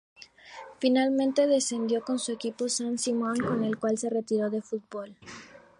Finalmente descendió con su equipo San Simón, con el cual se retiró del fútbol.